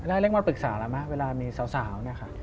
อัลเล็กรับมีปรึกษาแล้วไหมเวลามีสาวนี่ค่ะ